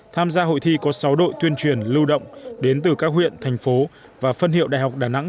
tham gia hội thi có sáu đội tuyên truyền lưu động đến từ các huyện thành phố và phân hiệu đại học đà nẵng